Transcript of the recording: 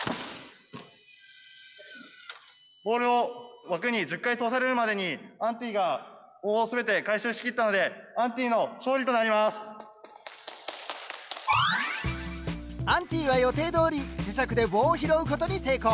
ボールを枠に１０回通されるまでにアンティが棒を全て回収し切ったのでアンティは予定どおり磁石で棒を拾うことに成功。